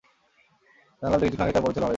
জানলাম যে কিছুক্ষণ আগেই তাঁর বড় ছেলে মারা গেছে।